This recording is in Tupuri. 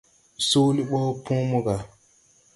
Soolé ɓo põõ mo gà.